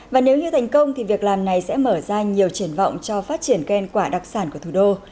và nếu như thành công thì việc làm này sẽ mở ra nhiều triển vọng cho phát triển cây ăn quả đặc sản của thủ đô